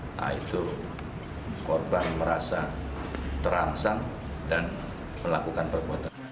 nah itu korban merasa terangsang dan melakukan perbuatan